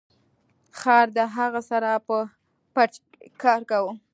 خر د هغه سره په پټي کې کار کاوه.